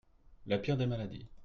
La pire des maladies.